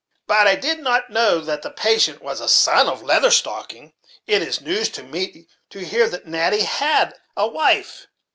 But I did not know that the patient was a son of Leather Stocking; it is news to me to hear that Natty had a wife."